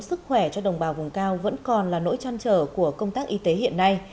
sức khỏe cho đồng bào vùng cao vẫn còn là nỗi trăn trở của công tác y tế hiện nay